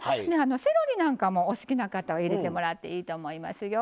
セロリなんかもお好きな方は入れてもらっていいと思いますよ。